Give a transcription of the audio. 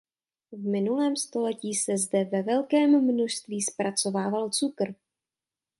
V minulém století se zde ve velkém množství zpracovával cukr.